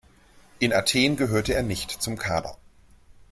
In Athen gehörte er nicht zum Kader.